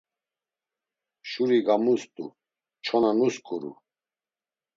Şuri gamust̆u, çona nusǩuru.